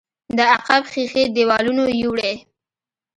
د عقب ښيښې دېوالونو يوړې.